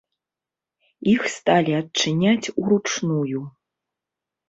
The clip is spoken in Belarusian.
Іх сталі адчыняць уручную.